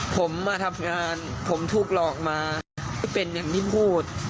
ผมมาทำงานผมถูกหลอกมาเป็นอย่างที่พูด